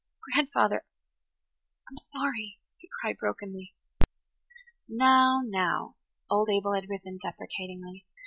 "Grandfather–I'm sorry," he cried brokenly. "Now, now!" Old Abel had risen deprecatingly.